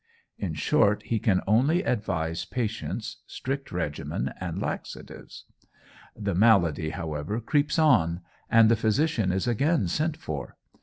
In short, he can only advise patience, strict regimen, and laxatives. The malady, however, creeps on, and the physician is again sent for.